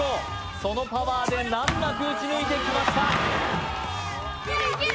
そのパワーで難なく打ち抜いてきました。